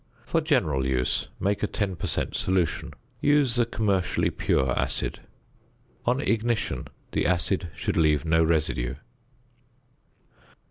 For general use make a 10 per cent. solution. Use the commercially pure acid. On ignition the acid should leave no residue.